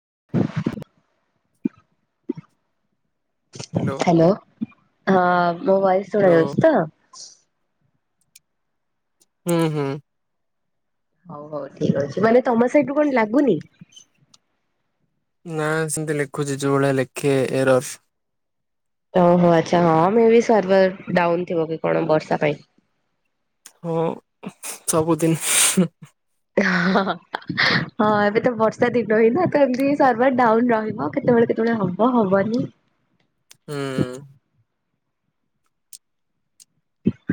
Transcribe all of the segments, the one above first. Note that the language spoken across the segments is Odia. [inaudible] ହ୍ୟାଲୋ ହାଲୋ ହଁ ମୋ ଭଏସ ଶୁଣା ହ୍ୟାଲୋ ଯାଉଛି ତ? ହୁଁ ହୁଁ। ହୋଉ ହୋଉ ଠିକ ଅଛି ମାନେ ତମ ସାଇଟରୁ କଣ ଲାଗୁନି? ନା ସେମିତି ଲେଖୁଚି ଯୋଉ ଭଳିଆ ଲେଖେ ଏରର୍। ଓହୋ ଆଛା ହଁ ମେ ବି ସର୍ଭର ଡାଉନ ଥିବ କି କଣ ବର୍ଷା ପାଇଁ। ହଁ ସବୁଦିନ। ହଁ ଏବେ ତ ବର୍ଷା ଦିନ ହିଁ ନା ତ ଏମିତି ସର୍ଭର ଡାଉନ ରହିବ କେତୋବେଳେ କେତୋବେଳେ ହବ ହବନି। ହୁଁ।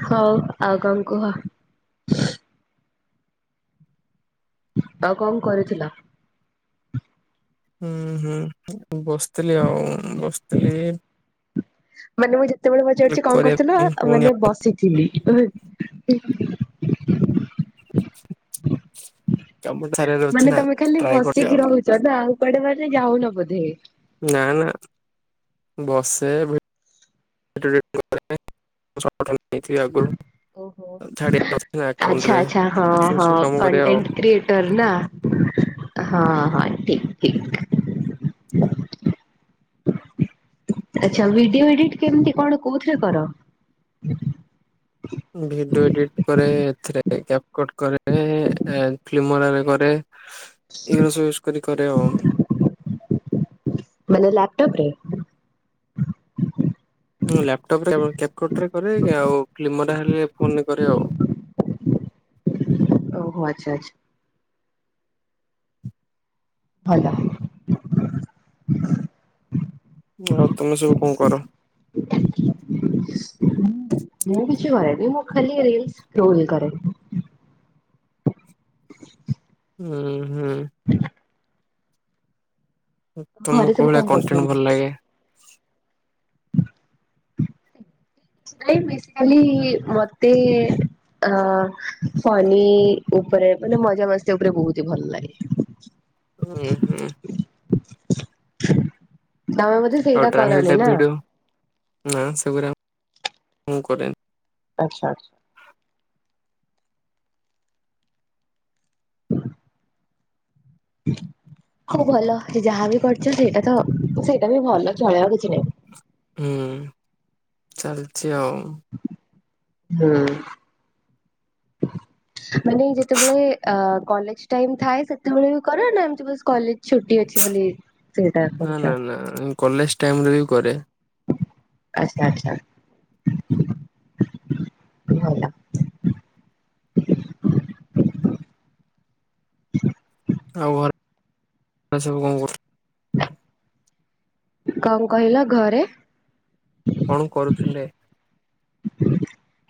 ହୋଉ ଆଉ କଣ କୁହ? ଆଉ କଣ କରୁଥିଲ? ହୁଁ ହୁଁ ବସିଥିଲି ଆଉ ବସିଥିଲି। ମାନେ ମୁଁ ଯେତେବେଳେ ପଚାରୁଚି କଣ କରିବା କରୁଥିଲ ପାଇଁ ହଉନି ମାନେ ଆଉ ବସିଥିଲି। [unintelligible] କାମ ଧାରାରେ ଅଛି ମାନେ ନା। ତମେ ଖାଲି ଟ୍ରାଏ କରୁଛି ବସିକି ଆଉ ରୋହୁଚ ନା ଆଉ କୁଆଡେ ମାନେ ଯାଉନ ବୋଧେ? ନା ନା ବସେ [unintelligible] କରେ। [unintelligible] ନେଇଥିଲି ଆଗୁରୁ। ଓହୋ। ଆଛା ଆକାଉଣ୍ଟରେ। ଆଛା ହଁ ସେ ହଁ ସବୁ କାମ କରେ ଆଉ କଣ୍ଟେଣ୍ଟ କ୍ରିଏଟର ନା। ହଁ ହଁ ଠିକ ଠିକ। ଆଛା ଭିଡିଓ ଏଡିଟ କେମିତି କଣ କୋଉଥିରେ କର? ଭିଡିଓ ଏଡିଟି କରେ ଏଥିରେ କ୍ୟାପକଟ କରେ ଫିଲ୍ମରେ କରେ। ଏଗୁରା ସବୁ କରି କରେ ଆଉ। ମାନେ ଲାପଟପ୍ ରେ? ଲାପଟପ ରେ କ୍ୟାପକଟରେ କରେ ଆଉ କ୍ଲିମର ହେଲେ ଫୋନ କରେ ଆଉ। ଓହୋ ଆଚ୍ଛା ଆଚଛା। ଫାଇଦା। ଆଉ ତମେ ସବୁ କଣ କର? ଏ ମୁଁ ଖାଲି ରିଲ୍ସ୍ରୋ କରରେ। ହ ହୁଁ ହୁଁ। ଘରେ ତମକୁ ସବୁ କଣ କୋଉଳିଆ କଣ୍ଟେନୁ କରୁଛନ୍ତି? ଭଲ ଲାଗେ? ଟାଇମି ବେସି ଖାଲି ମତେ ହିଁ ଫନି ଉପରେ ମାନେ ମଜା ମସ୍ତି ଉପରେ ବହୁତିହି ଭଲ ଲାଗେ। ହୁଁ ହୁଁ ହୁଁ। ତମେ ବୋଧେ ସେଇଟା ଆଉ ଟ୍ରାଭେଲ କରନି ଟି ନା? ଭିଡ଼ ନା ସେଗୁରା ମୁ କରେନି। ଆଚ୍ଛା ଆଚ୍ଛା। ହଉ ଭଲ ସେ ଯାହାବି କରିଛ ସେଇଟା ତ ସେଇଟା ବି ଭଲ ଚଳେଇବା କିଛି ନାହିଁ। ହୁଁ ଚାଲିଛି ଆଉ। ହୁଁ। ମାନେ ଯେତେବେଳେ ଅ କଲେଜ ଟାଇମି ଥାଏ ସେତେବେଳେ ବି କର ନା ଏମତି ବାସ୍ କଲେଜ ଛୁଟି ଅଛି ବୋଲି? ସେଇଟା ନା କରୁଛ ନା ନା କଲେଜ ଟାଇମରେ ବି କରେ। ଆଚଛା ଆଚ୍ଛା। ଭଲ। ଆଉ ଘର ସବୁ କଣ କର? କଣ କହିଲ ଘରେ କଣ କରୁଥିଲେ?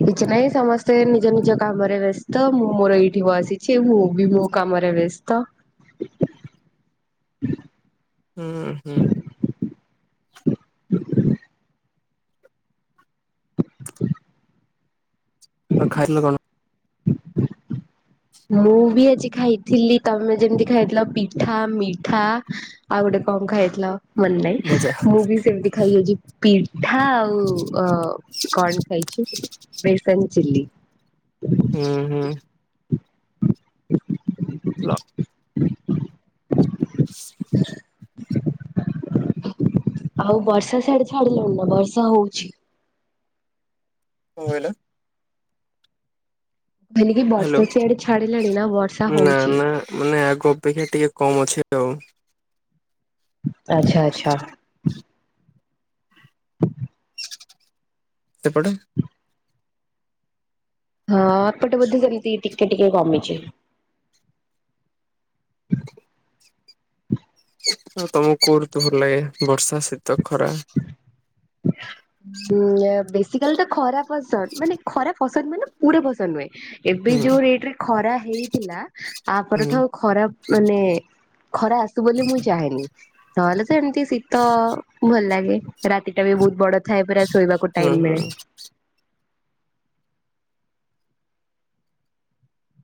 କିଛି ନହିଁ ସମସ୍ତେ ନିଜ ନିଜ କାମରେ ବ୍ୟସ୍ତ ମୁଁ ମୋର ଏଇଠି ବସିଛି ମୁଁ ବି ମୋ କାମରେ ବ୍ୟସ୍ତ ବେସ୍ତ । ହୁଁ ହୁଁ। ହୁ ଖାଇଲ କଣ? ମୁଁ ବି ଆଜି ଖାଇଥିଲି ତମେ ଯେମିତି ଖାଇଥିଲ ପିଠା ମିଠା ଆଉ ଗୋଟେ କଣ ଖାଇଥିଲା ମନେ ନାଇଁ ଭଜା ମୁଁ ବି ସେମିତି ଖାଇଯାଉଛି ପୀ ପିଠା ଆଉ ଅ କଣ ଖାଇଛିୁ ବେସନ ଚିଲି। ହୁଁ ହୁଁ। ହ ଲ ମ ଆଉ ବର୍ଷା ସିଆଡେ ଛାଡିଲାଣି ନା ବର୍ଷା ହଉଛି? କଣ କହିଲ। କହିଲି କି ହାଲୋ ବର୍ଷା ସିଆଡେ ଛାଡିଲାଣି ନା ବର୍ଷା ନା ହଉଛି? ନା ମାନେ ଆଗ ଅପେକ୍ଷା ଟିକେ କମ୍ ଅଛି ଆଉ। ଯାଉ। ଆଛା ଆଚ୍ଛା। ସେପଟେ ହଁ ଆପଟଜ ବଧେ ସେମିତି ଟିକେ ଟିକେ କମିଚି। ଆଉ ତମକୁ କୋଉ ଋତୁ ଭଲ ଲାଗେ ବର୍ଷା ଶୀତ ଖରା? ଉଁ ବେଶିକାଲି ତ ଖରା ପସନ୍ଦ ମାନେ ଖରା ପସନ୍ଦ ମାନେ ପୁର ପସନ୍ଦ ନୁହେଁ । ଏବେ ହୁଁ ଯୋଉ ରେଟ ରେ ଖରା ହେଇଥିଲା ହୁଁ ତାପଠୁ ଆଉ ଖରା ମାନେ ଖରା ଆସୁ ବୋଲି ମୁଁ ଚାହେଁନି ନହେଲେ ତ ଏମତି ଶୀତ ଭଲ ଲାଗେ ରାତି ଟା ବି ବହୁତ ବଡ ଥାଏ ପୁରା ଶୋଇବାକୁ ହୁଁ ଟାଇମ୍ ମିଳେ ହୁଁ ।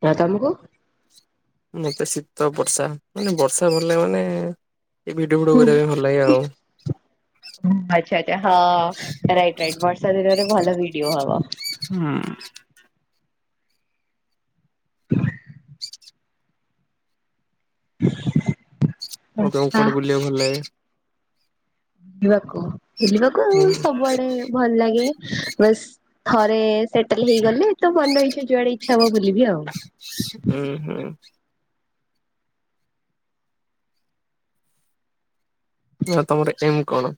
ପ ତମକୁ। ମତେ ଶୀତ ବର୍ଷା ମାନେ ବର୍ଷା ଭଲ ମାନେ । ଏ ଭିଡିଓ ଫିଡିଓ କରିବା ପାଇଁ ଭଲ ଲାଗେ ଆଉ । ଓ ଆଛା ଆଛା ହଁ ରାଇଟ ରାଇଟ୍ ବର୍ଷା ଦିନରେ ଭଲ ଭିଡିଓ ହବ । ହୁଁ । ଈ ଆଉ ତମକୁ କୁଆଡେ ବୁଲିବାକୁ ଭଲ ଲାଗେ । ବୁଲିବାକୁ ବୁଲିବାକୁ ହୁଁ ସବୁଆଡେ ଭଲ ଲାଗେ । ବାସ୍ ଥରେ ସେଟେଲ ହେଇଗଲେ ତ ମନ ଇଛା ଯୁଆଡେ ଇଚ୍ଛା ହବ ବୁଲିବି ଆଉ । ହୁଁ ହୁଁ ନି ଅ ତମର ଏମ୍ କଣ ।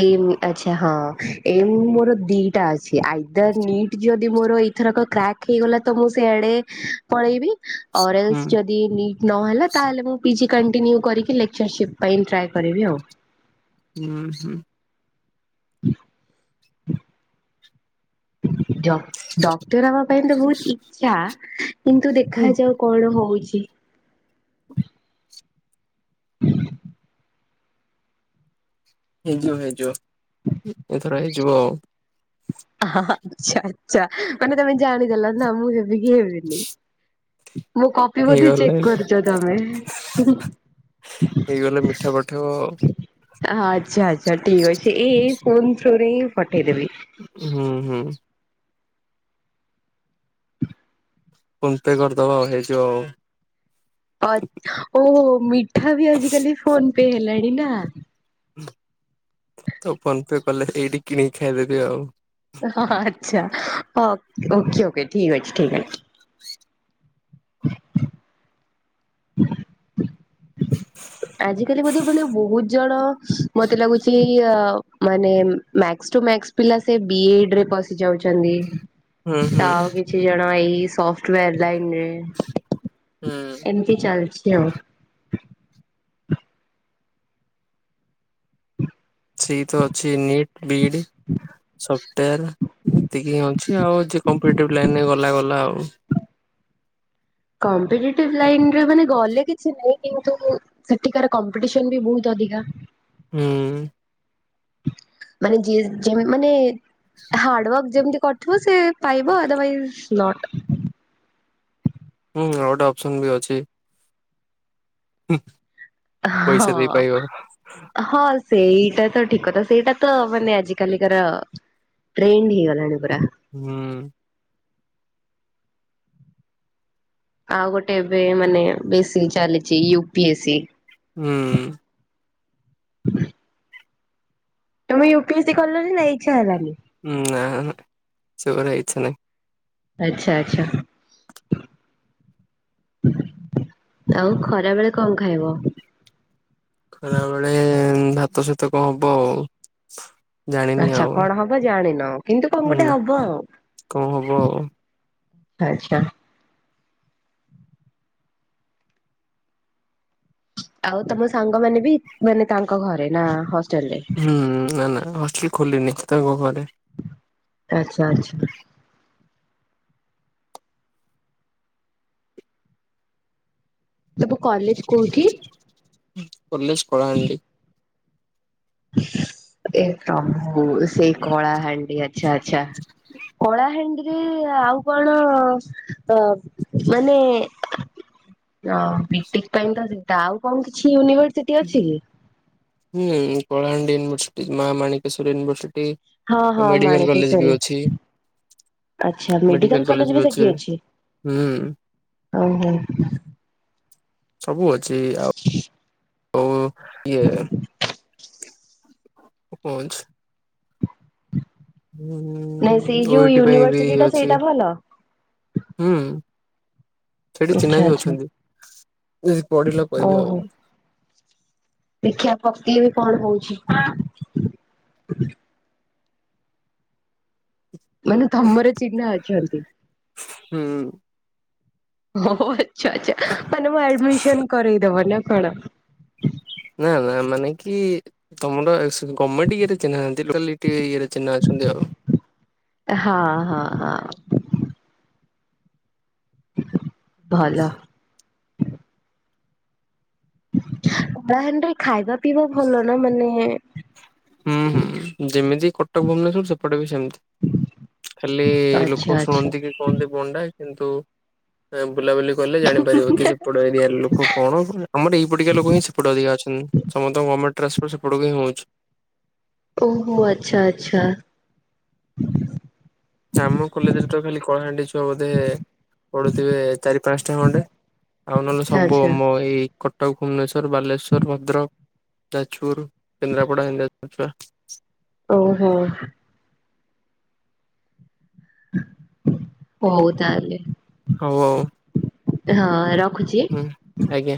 ଏମ୍ ଆଛା ହଁ ଏମ୍ ମୋର ଦିଟା ଅଛି ଆଇଦର ନିଟ୍ ଯଦି ମୋର। ଏଥରକ କ୍ରାକ୍ ହେଇଗଲା ତ ମୁଁ ସେଆଡେ ପଳେଇବି ହୁଁ ଅରାଲେସ ଯଦି ନି ନହେଲା ତାହେଲେ ମୁଁ ପିଜି କଣ୍ଟିନ୍ୟୁ କରିକୀ ଲେକ୍ଚରସିପ ପାଇଁ ଟ୍ରାଏ କରିବି ଆଉ । ହୁଁ ହୁଁ । ହ ହ ଡ ଡକ୍ଟର ହବା ପାଇଁ ତ ବହୁତ ଇଛା । କିନ୍ତୁ ହୁଁ ଦେଖାଯାଉ କଣ ହଉଛି । ହେଇଯିବ ହେଇଯିବ ଏଥର ହେଇଯିବ ଆଉ। ହା ହା ଆଛା ଆଛା ମାନେ ତମେ ଜାଣିଦେଲ ନା ମୁଁ ହେବିକି ହେବିନି। ମୋ କପି ବଧେ ହେଇଗଲେ ଚେକ୍ କରୁଛ ତମେ । ହେଇଗଲେ ମିଠା ପଠେଇବ । ଆହ୍ ଆଚ୍ଛା ଆଚ୍ଛା ଠିକ୍ ଅଛି ଏଇ ଏଇ ଫୋନ୍ ଥ୍ରୁ ରେ ହିଁ ପଠେଇଦେବି । ହୁଁ ହୁଁ । ଫୋନ୍ ପେ କରିଦବ ହେଇଯିବ। ଅଥ ଓହୋ ମିଠା ବି ଆଜିକାଲି ଫୋନ ପେ ହେଲାଣି ନା । ତ ଫୋନ ପେ କଲେ ଏଇଠି କିଣିକି ଖାଇଦେବି ଆଉ। ହା ହା ହାଆଛା ହଁ ଓକେ ଓକେ ଠିକ୍ ଅଛି ଠିକ୍ ଅଛି । ଅ ହ ଆଜି କାଲି ବୋଧେ ମାନେ ବହୁତ ଜଣ ମତେ ଲାଗୁଛି ଆ ମାନେ ମ୍ୟାକ୍ସ । ଟୁ ମ୍ୟାକ୍ସ ପିଲା ସେ ବି ଇ ଡି ରେ ପଶି ଯାଉଛନ୍ତି। ହୁଁ ହୁଁ ତ ଆଉ କିଛି ଜଣ ଏଇ ସଫ୍ଟାଓୟାର ଲାଇନରେ। ହୁଁ ଏମିତି ଚାଲଛି ଆଉ । ସେଇ ତ ଅଛି ନିଟ୍ ବିଇଡି। ସଫ୍ଟଓୟାର ଏତିକି ହିଁ ଅଛି ଆଉ କମ୍ପିଟେଟିଭ ଲାଇନରେ ଗଲା ଗଲା ଆଉ। କମ୍ପିଟେଟିଭ ଲାଇନ ରେ ମାନେ ଗଲେ କିଛି ନାଇଁ କିନ୍ତୁ ସେଠିକାର କମ୍ପିଟେସନ୍ ବି ବହୁତ ଅ ଅଧିକା । ହୁଁ । ମାନେ ଯିଏ ଯୋ ମାନେ ହାର୍ଡୱାର୍କ ଯେମିତି କରିଥିବ ସେ। ପାଇାବ ଅଦରୱାଇସ ନଟ୍। ହୁଁ ଆଉ ଗୋ ଟେ ଅପସନ ବି ଅଛି । ହୁଁ । ହଁ ହଁ । ସେଇଟା ତ ଠିକ କଥା ସେଇଟା ତ ମାନେ ଆଜିକାର ଟ୍ରେଣ୍ଡ ହେଇଗଲାଣି ପୁରା । ହୁଁ । ଆଉ ଗୋଟେ ଏବେ ମାନେ ବେଶୀ ଚାଲିଛି ୟୁ ପି ଏ ସି । ହୁଁ । ହ ତମେ ୟୁ ପି ଏ ସି କଲନି ନା ଇଛା ହେଲାନି । ନା ନା ସେଗୁରା ଇଛା ନାହିଁ । ଆଛା ଆଚ୍ଛା। ଆଉ ଖରାବେଳେ କଁ ଖାଇବ? ଖରା ବେଳେ ଭାତ ସହିତ କଣ ହବ? ଜାଣିନି ଆଛା ଆଉ। କଣ ହବ ଜାଣିନ, କିନ୍ତୁ କଣ ଗୋଟେ ନା ହବ ଆଉ? କଣ ହବ ଆଉ ଆଚ୍ଛା ଆଚ୍ଛା। ଆଉ ତମ ସାଙ୍ଗମାନେ ବି ମାନେ ତାଙ୍କ ଘରେ ନା ହ ହୁଁ ନା ନା ହଷ୍ଟେଲ ଖୋଲିନି, ତାଙ୍କ ଘରେ। ଆଛା ଆଛା। ସବୁ କଲେଜ କୋଉଠି? କଲେଜ କଳାହାଣ୍ଡି। ଏ ପ୍ରଭୁ ସେଇ କଳାହାଣ୍ଡି, ଆଛା ଆଛା କଳାହାଣ୍ଡି। ଆଉ କଣ ଅ ମାନେ ହ ବିଟେକ ପାଇଁ ତ ସେଟା ଆଉ କଣ କିଛି ୟୁନିଭର୍ସି ହୁଁ କଳାହାଣ୍ଡି ୟୁନଭର୍ସିଟି ମାମାଣିକେଶ୍ଵର ୟନିଭର୍ସିଟି। ହଁ ହଁ ମାଣିକେଶ୍ବରୀ। ଆଛା ମେଡିକାଲ କଲେଜ ବି ସେଠି ଅଛି? ହୁଁ ଓହୋ। ସବୁ ଅଛି। ଆଉ ଓ ଇଏ [unintelligible] ହୁଁ ନାଇଁ ସେଇ ଯୋଉ ଓଇ ଟି ପାଇଁ ବି ୟୁନିଭରସିଟି ଟା ଅଛି ସେଇଟା ଭଲ। ହୁଁ। ସେଠି ଚିହ୍ନା ଆଚ୍ଛା ବି ଆଚ୍ଛା ଅଛନ୍ତି ଯଦି ପଢିଲ କହିବ ଆଉ। ଦେଖିଆ ପକେଇବି ବି କଣ ହଉଛି। ମାନେ ତମର ଚିହ୍ନା ଅଛନ୍ତି? ହୁଁ। ହ ଆଚ୍ଛା ଆଛା ମାନେ ମୁଁ ଆଡମିସନ କରେଇଦବ ନା କଣ? ନା ନା ମାନେ କି ତମର ଗମେଣ୍ଟ ରେ ଇଏ ଚିହ୍ନା ନାହାନ୍ତି ଲୋକାଲ ଇଏରେ ଚିହ୍ନା ଅଛନ୍ତି ଆଉ। ହଁ ହଁ ହଁ ଭଲ। ନରେ ଖାଇବା ପିଇବା ଭଲ ନା ମାନେ? ହୁଁ ହୁଁ ଯେମିତି କଟକ ଭୁବନେଶ୍ଵର ସେପଟେ ବି ସେମିତି। ଖାଲି ଆଚ୍ଛା ଲୋକ ଆଚ୍ଛା। ଶୁଣନ୍ତି କି କୁହନ୍ତି ବଣ୍ଡା କିନ୍ତୁ ବୁଲାବୁଲି କଲେ ଜାଣିପାରିବ କି ସେପଟ ଏରିଆ ଲୋକ କଣ ଆମର ଏଇପଟିକା ଲୋକ ହିଁ ସେପଟେ ଅଧିକା ଅଛନ୍ତି। ତମ ଗମେଣ୍ଟ ଟ୍ରାନସୋର୍ଟ ସେପଟକୁ ହିଁ ହଉଛି। ଓହୋ ଆଚ୍ଛା ଆଚ୍ଛା। ଆମ କଲେଜରେ ତ ଖାଲି କଳାହାଣ୍ଡି ଛୁଆ ବୋଧେ ପଢୁଥିବେ ଚାରି ପାଞ୍ଚଟା ଖଣ୍ଡେ, ଆଉ ନହେଲେ ସବୁ ଆଚ୍ଛା ଆମ ଏଇ କଟକ ଭୁବନେଶ୍ଵର ବାଲେଶ୍ଵର ଭଦ୍ରକ। ଯାଜପୁର କେନ୍ଦ୍ରାପଡ଼ା [unintelligible] ଓହୋ। ହଉ ତା ତାହଲେ। ହଉ ଆଉ ହଁ ରଖୁଛି। ହୁଁ ଆଜ୍ଞା।